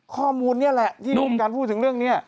ข้อมูลนี่แหละที่หนุ่มการพูดถึงเรื่องนี้